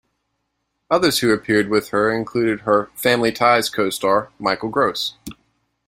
Others who appeared with her included her "Family Ties" co-star Michael Gross.